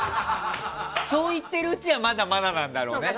そう言っているうちはまだまだなんだろうね。